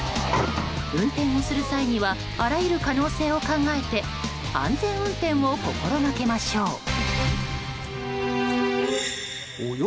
運転をする際にはあらゆる可能性を考えて安全運転を心がけましょう。